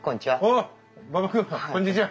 おお馬場君こんにちは。